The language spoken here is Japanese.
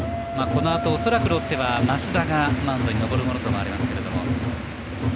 このあと恐らくロッテは益田がマウンドに上がるものと思われます。